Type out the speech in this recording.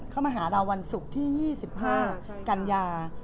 มาหาเราวันศุกร์ที่๒๕กันยา